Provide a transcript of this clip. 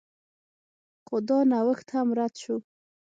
خو دا نوښت هم رد شو